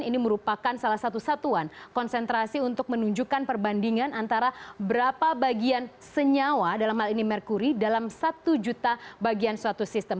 ini merupakan salah satu satuan konsentrasi untuk menunjukkan perbandingan antara berapa bagian senyawa dalam hal ini merkuri dalam satu juta bagian suatu sistem